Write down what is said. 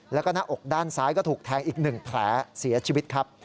แล้วก็หน้าอกด้านซ้ายก็ถูกแทงอีก๑แผลเสียชีวิตครับ